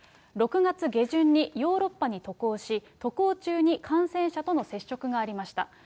６月下旬にヨーロッパに渡航し、渡航中に感染者との接触がありました。